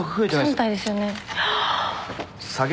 ３体ですよね。